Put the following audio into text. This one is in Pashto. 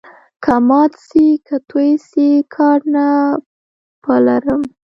که مات سي که توی سي، کار نه په لرم.